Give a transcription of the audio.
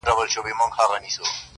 دا تر ټولو بې حیاوو بې حیا دی,